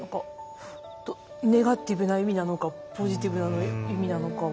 ネガティブな意味なのかポジティブな意味なのかは。